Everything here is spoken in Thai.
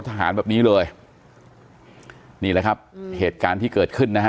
ทหารแบบนี้เลยนี่แหละครับเหตุการณ์ที่เกิดขึ้นนะฮะ